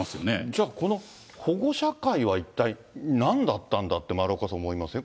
じゃあこの保護者会は一体なんだったんだって、丸岡さん思いません？